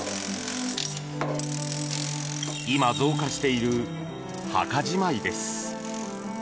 今、増加している墓じまいです。